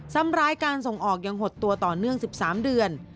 ซ้ำร้ายการส่งออกยังหดตัวต่อเนื่อง๑๓เดือน